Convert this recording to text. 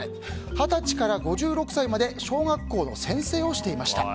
二十歳から５６歳まで小学校の先生をしていました。